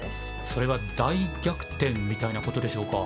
それは大逆転みたいなことでしょうか。